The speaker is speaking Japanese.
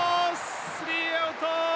スリーアウト！